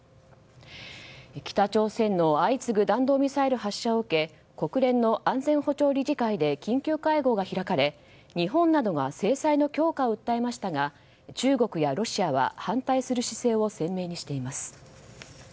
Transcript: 北朝鮮の相次ぐ弾道ミサイル発射を受け国連の安全保障理事会で緊急会合が開かれ日本などが制裁の強化を訴えましたが中国やロシアは反対する姿勢を鮮明にしています。